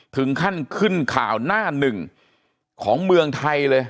ถึงขั้นขึ้นข่าวหน้าหนึ่งของเมืองไทยเลย